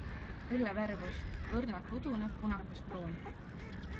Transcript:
Õlle värvus - õrnalt udune punakaspruun.